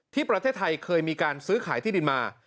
ที่ประเทศไทยเคยมีการซื้อขายที่ดินมา